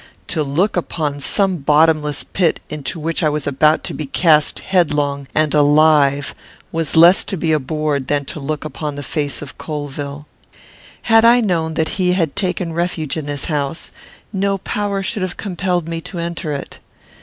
To look upon some bottomless pit, into which I was about to be cast headlong, and alive, was less to be abhorred than to look upon the face of Colvill. Had I known that he had taken refuge in this house, no power should have compelled me to enter it.